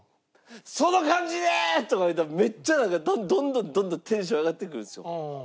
「その感じで！」とか言われたらめっちゃなんかどんどんどんどんテンション上がってくるんですよ。